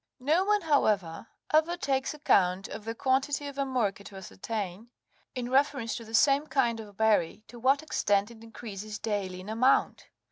No one, however, ever takes account of the quantity of amurca to ascertain, in reference to the same kind of berry, to what extent it increases daily in amount.